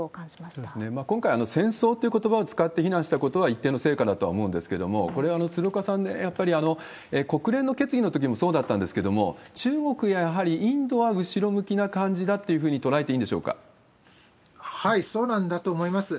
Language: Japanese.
そうですね、今回、戦争ということばを使って非難したことは一定の成果だとは思うんですけれども、これ、鶴岡さんね、やっぱり国連の決議のときもそうだったんですけれども、中国や、やはりインドは後ろ向きな感じだというふうに捉えていいんでしょそうなんだと思います。